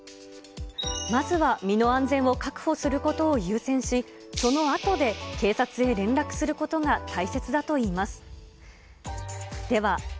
まずは身の安全を確保することを優先し、そのあとで警察へ連絡することが大切だといいます。